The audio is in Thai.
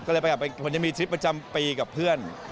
ก็เลยไปกลับไปมันจะมีทริปประจำปีกับเพื่อน